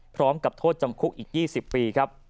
พร้อมกับโทษจำคุกอีก๒๐ปีครับ